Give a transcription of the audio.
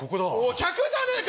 客じゃねえか！